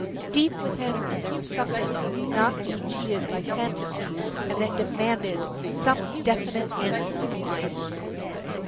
Deep within her there was something that would not be cheated by phantasies and that demanded some definite answer from life.